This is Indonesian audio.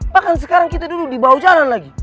bahkan sekarang kita dulu di bawah jalan lagi